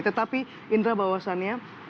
tetapi indra bahwasannya